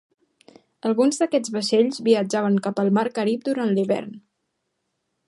Alguns d'aquests vaixells viatjaven cap al Mar Carib durant l'hivern.